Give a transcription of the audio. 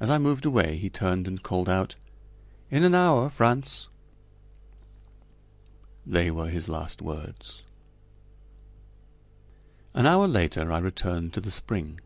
As I moved away he turned and called out: "In an hour, Frantz." They were his last words. An hour later I returned to the spring.